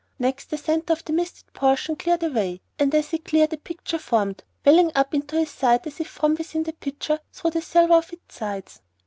Next, the center of the misted portion cleared away, and as it cleared a picture formed, welling up into his sight as if from within the pitcher through the silver of its sides.